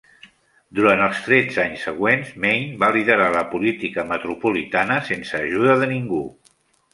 Durant els tretze anys següents, Mayne va liderar la política metropolitana sense ajuda de ningú.